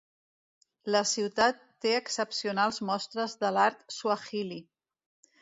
La ciutat té excepcionals mostres de l'art suahili.